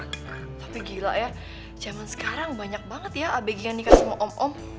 tapi gila ya zaman sekarang banyak banget ya abegan nikah sama om om